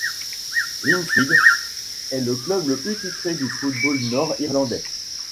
Linfield est le club le plus titré du football nord-irlandais.